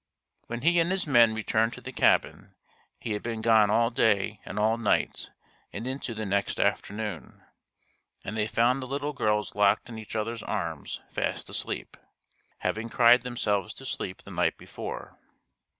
When he and his men returned to the cabin, he had been gone all day and all night and into the next afternoon, and they found the little girls locked in each other's arms fast asleep, having cried themselves to sleep the night before.